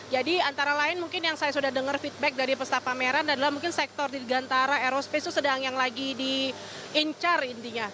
jadi antara lain mungkin yang saya sudah dengar feedback dari peserta pameran adalah mungkin sektor dirgantara aerospace itu sedang yang lagi diincar intinya